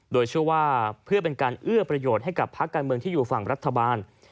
โดยเชื่อว่าเพื่อเป็นการเอื้อประโยชน์ให้กับพักการเมืองที่อยู่ฝั่งรัฐบาล